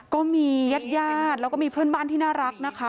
ก็มีญาติญาติแล้วก็มีเพื่อนบ้านที่น่ารักนะคะ